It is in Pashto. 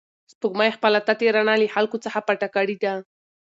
سپوږمۍ خپله تتې رڼا له خلکو څخه پټه کړې ده.